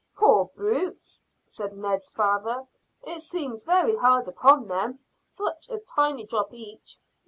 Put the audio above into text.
"Poor brutes!" said Ned's father. "It seems very hard upon them. Such a tiny drop each."